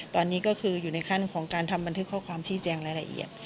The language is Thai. ตอนนี้ก็คืออยู่ในขั้นของการทำบันทึกข้อความชี้แจงรายละเอียด